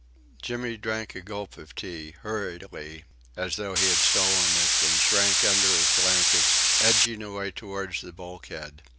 Jimmy drank a gulp of tea, hurriedly, as though he had stolen it, and shrank under his blanket, edging away towards the bulkhead.